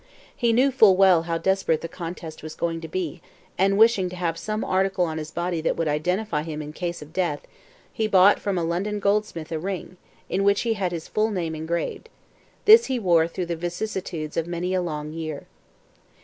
He knew full well how desperate the contest was going to be, and wishing to have some article on his body that would identify him in case of death, he bought from a London goldsmith a ring, in which he had his full name engraved. This he wore through the vicissitudes of many a long year.